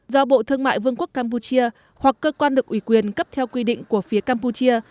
do bộ thương mại vương quốc campuchia hoặc cơ quan được ủy quyền cấp theo quy định của phía campuchia